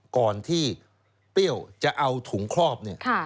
ก่อนที่เปรี้ยวจะเอาถุงคลอบ